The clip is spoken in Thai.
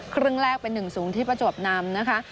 ครึ่งแรกเป็น๑๐ที่ประจวบนำนะคะ